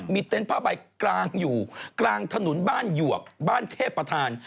เต็นต์ผ้าใบกลางอยู่กลางถนนบ้านหยวกบ้านเทพประธาน